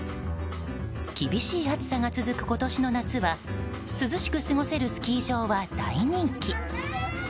厳しい暑さが続く今年の夏は涼しく過ごせるスキー場は大人気。